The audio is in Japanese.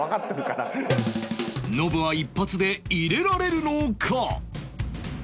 ノブは一発で入れられるのか？